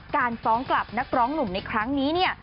การฟ้องกลับนักร้องหนุ่มในครั้งนี้เนี่ย